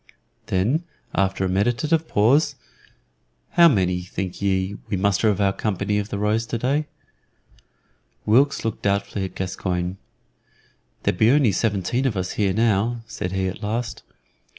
Then, after a meditative pause, "How many, think ye, we muster of our company of the Rose today?" Wilkes looked doubtfully at Gascoyne. "There be only seventeen of us here now," said he at last.